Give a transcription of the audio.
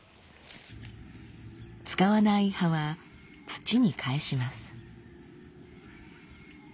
使わない葉は土にかえします。